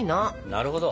なるほど。